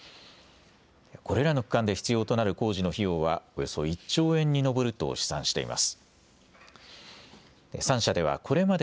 これらの区間で必要となる工事の費用はおよそ１兆円に上ると試算しています。